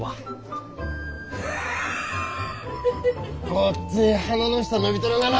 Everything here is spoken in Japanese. ごっつい鼻の下伸びとるがな。